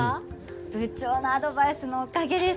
部長のアドバイスのおかげです。